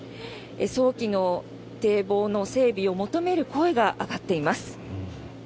早期の堤防の整備を求める声が上がっています。